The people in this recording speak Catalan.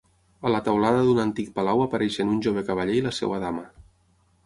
A la teulada d'un antic palau apareixen un jove cavaller i la seva dama.